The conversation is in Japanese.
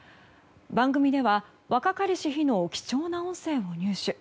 番組では若かりし日の貴重な音声を入手。